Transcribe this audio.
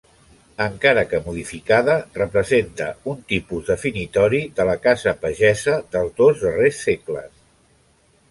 Encara que modificada representa un tipus definitori de la casa pagesa dels dos darrers segles.